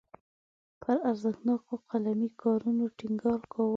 پر ارزښتناکو قلمي کارونو ټینګار کاوه.